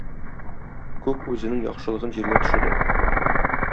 Күк үзенең яхшылыгын җиргә төшерә.